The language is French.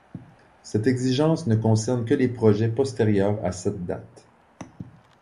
Cette exigence ne concerne que les projets postérieurs à cette date.